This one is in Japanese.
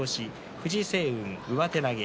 藤青雲、上手投げ。